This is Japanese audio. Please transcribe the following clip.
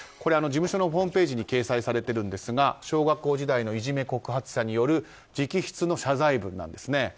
事務所のホームページに掲載されているんですが小学校時代のいじめ告発者による直筆の謝罪文なんです。